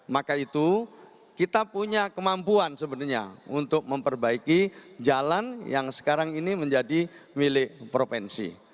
maka itu kita punya kemampuan sebenarnya untuk memperbaiki jalan yang sekarang ini menjadi milik provinsi